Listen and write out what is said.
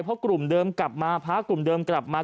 เพราะกลุ่มเดิมกลับมาพระกลุ่มเดิมกลับมา